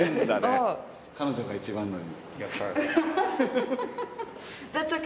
彼女が一番乗り。